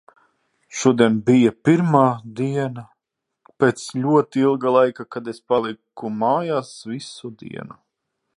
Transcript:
Šodien bija pirmā diena, pēc ļoti ilga laika, kad es paliku mājās visu dienu.